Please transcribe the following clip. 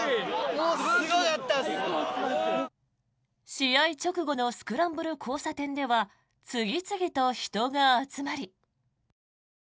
試合直後のスクランブル交差点では次々と人が集まり。